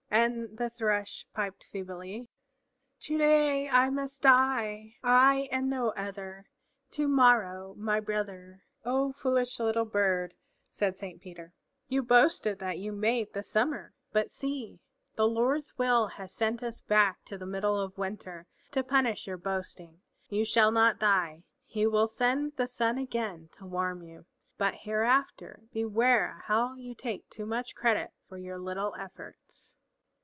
And the Thrush piped feebly, "To day I must die, I and no other! To morrow my brother." "O foolish little bird," said Saint Peter. "You boasted that you made the summer. But see! The Lord's will has sent us back to the middle of winter, to punish your boasting. You shall not die, he will send the sun again to warm you. But hereafter beware how you take too much credit for your little efforts."